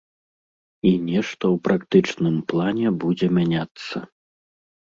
І нешта ў практычным плане будзе мяняцца.